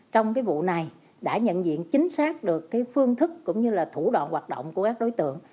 trong vụ này đã nhận diện chính xác được phương thức cũng như thủ đoạn hoạt động của các đối tượng